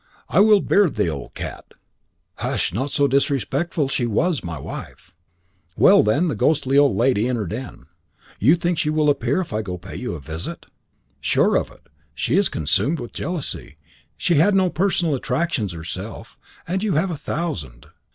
"I will beard the old cat " "Hush, not so disrespectful; she was my wife." "Well, then, the ghostly old lady, in her den. You think she will appear if I go to pay you a visit?" "Sure of it. She is consumed with jealousy. She had no personal attractions herself, and you have a thousand.